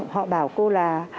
họ bảo cô là